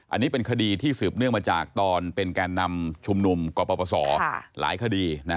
อันนี้เป็นคดีที่สืบเนื่องมาจากตอนเป็นแกนนำชุมนุมกปศหลายคดี